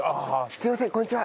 すいませんこんにちは。